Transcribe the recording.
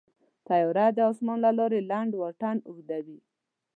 طیاره د اسمان له لارې لنډ واټن اوږدوي.